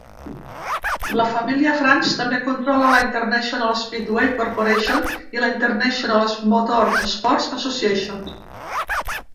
La família France també controla la International Speedway Corporation i la International Motor Sports Association.